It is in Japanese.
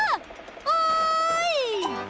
おい！